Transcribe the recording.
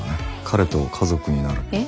彼と家族になるのは。